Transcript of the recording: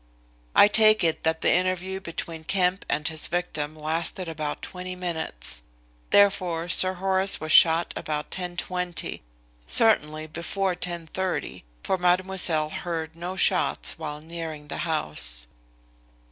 I take it that the interview between Kemp and his victim lasted about 20 minutes. Therefore Sir Horace was shot about 10.20; certainly before 10.30, for Mademoiselle heard no shots while nearing the house."